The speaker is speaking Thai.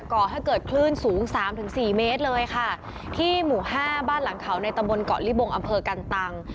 ก่อให้เกิดคลื่นสูงสามถึงสี่เมตรเลยค่ะที่หมู่ห้าบ้านหลังเขาในตำบลเกาะลิบงอำเภอกันตัง